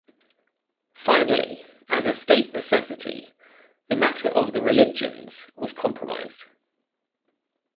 Finally, as a State necessity, the matter of the religions was compromised.